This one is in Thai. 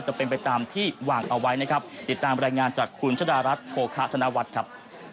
จะเป็นไปตามที่หว่างเอาไว้นะครับ